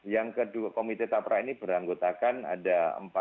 yang kedua komite tapra ini beranggotakan ada empat